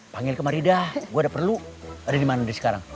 panggil ke marida gue ada perlu ada di mana dari sekarang